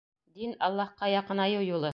Дин — Аллаһҡа яҡынайыу юлы.